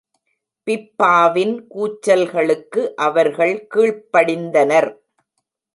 பிப்பாவின் கூச்சல்களுக்கு அவர்கள் கீழ்ப்படிந்தனர்.